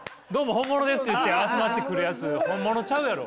本物です」って言って集まってくるやつ本物ちゃうやろ。